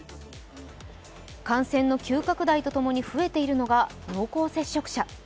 感染の急拡大とともに増えているのが濃厚接触者。